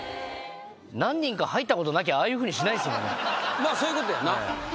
まあそういうことやな。